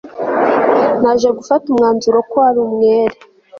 Naje gufata umwanzuro ko ari umwere